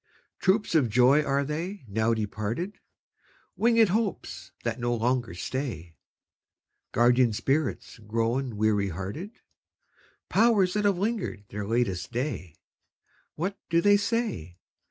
Troops of joys are they, now departed? Winged hopes that no longer stay? Guardian spirits grown weary hearted? Powers that have linger'd their latest day? What do they say?